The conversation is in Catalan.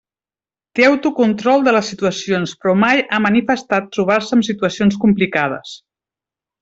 Té autocontrol de les situacions però mai ha manifestat trobar-se amb situacions complicades.